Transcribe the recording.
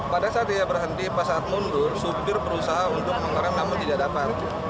pada saat dia berhenti pas saat mundur sopir berusaha untuk mengarah namun tidak dapat